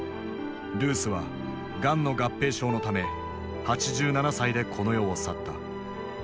ルースはがんの合併症のため８７歳でこの世を去った。